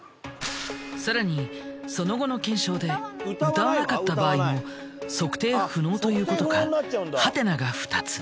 さらにその後の検証で歌わなかった場合も測定不能ということかハテナが２つ。